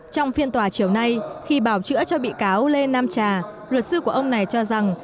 trong phiên tòa chiều nay khi bảo chữa cho bị cáo lê nam trà luật sư của ông này cho rằng